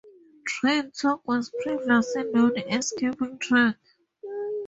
TrainTalk was previously known as Keeping Track.